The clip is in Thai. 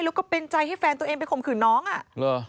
แล้วก็เป็นใจให้แฟนตัวเองไปข่มขืนน้องอ่ะเหรอ